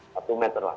satu meter lah